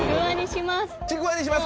ちくわにします